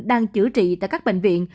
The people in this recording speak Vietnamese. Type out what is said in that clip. đang chữa trị tại các bệnh viện